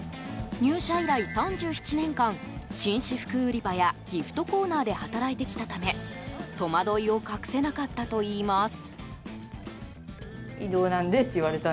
入社以来、３７年間紳士服売り場やギフトコーナーで働いてきたため戸惑いを隠せなかったといいます。